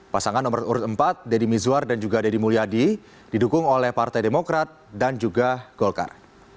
pasangan nomor urut empat deddy mizwar dan juga deddy mulyadi didukung oleh partai demokrat dan juga golkar